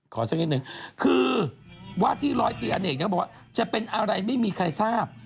สักนิดนึงคือว่าที่ร้อยตีอเนกบอกว่าจะเป็นอะไรไม่มีใครทราบ